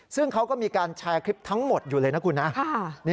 ซึ่งเขาก็มีการแชร์คลิปทั้งหมดอยู่เลยนะคุณนะ